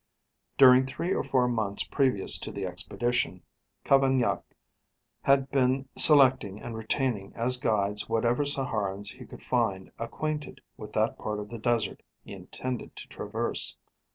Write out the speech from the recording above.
During three or four months previous to the expedition, Cavaignac had been selecting and retaining as guides whatever Saharians he could find acquainted with that part of the desert he intended to traverse.